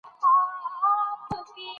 زده کوونکي په ټولګي کې درس تکراروي.